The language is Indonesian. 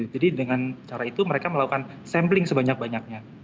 jadi dengan cara itu mereka melakukan sampling sebanyak banyaknya